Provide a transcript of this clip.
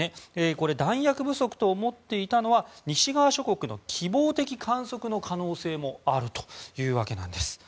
これ、弾薬不足と思っていたのは西側諸国の希望的観測の可能性もあるというわけなんです。